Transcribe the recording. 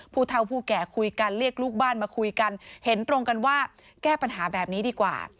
ผู้เท่าผู้แก่คุยกันเรียกลูกบ้านมาคุยกันเห็นตรงกันว่าแก้ปัญหาแบบนี้ดีกว่า